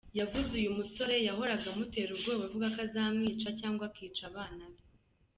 Yavuze uyu musore yahoraga amutera ubwoba avuga ko azamwica cyangwa akica abana be.